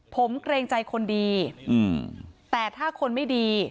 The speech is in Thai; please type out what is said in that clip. ผมเกรงใจคนดีแต่ถ้าคนไม่ดี